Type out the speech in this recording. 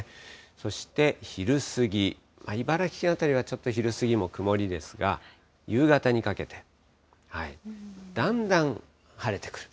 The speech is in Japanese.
そして昼過ぎ、茨城県辺りはちょっと昼過ぎも曇りですが、夕方にかけて、だんだん晴れてくる。